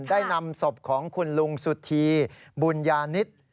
ได้นำศพของคุณลุงสุธีบุญญาณิชย์